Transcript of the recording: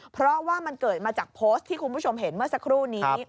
เพราะว่ามันเกิดมาจากโพสต์ที่คุณผู้ชมเห็นเมื่อสักครู่นี้